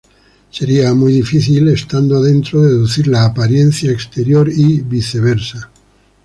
Sería muy difícil, estando adentro, deducir la apariencia exterior y viceversa.